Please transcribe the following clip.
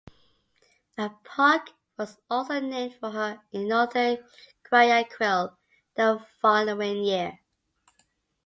A park was also named for her in northern Guayaquil the following year.